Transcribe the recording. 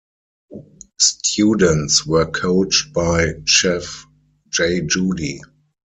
Students were coached by Chef Jay Judy.